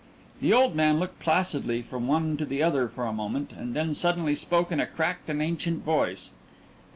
The old man looked placidly from one to the other for a moment, and then suddenly spoke in a cracked and ancient voice.